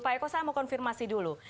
pak eko saya mau konfirmasi dulu